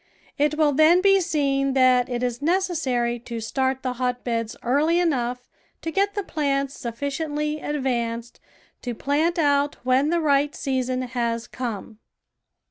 It will then be seen that it is necessary to start the hot beds early enough to get the plants sufficiently advanced to plant out when the right season has come.